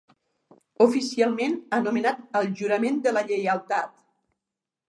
Oficialment anomenat el "Jurament de Lleialtat".